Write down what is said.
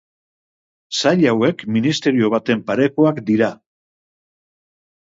Sail hauek ministerio baten parekoak dira.